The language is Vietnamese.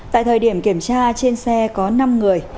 tại thời điểm kiểm tra trên xe có năm người